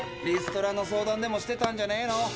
リストラの相談でもしてたんじゃねえの。